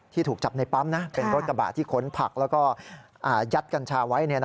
ถูกจับในปั๊มเป็นรถกระบะที่ขนผักแล้วก็ยัดกัญชาไว้